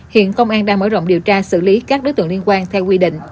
hiện công an đang mở rộng điều tra xử lý các đối tượng liên quan theo quy định